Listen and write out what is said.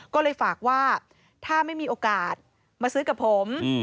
ก็เลยฝากว่าถ้าไม่มีโอกาสมาซื้อกับผม